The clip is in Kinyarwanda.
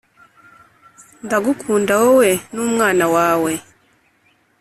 Ndagukunda wowe n’umwana wawe